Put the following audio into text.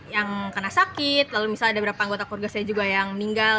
yang kena sakit lalu misalnya ada beberapa anggota keluarga saya juga yang meninggal